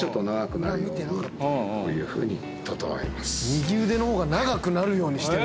右腕のほうが長くなるようにしてる。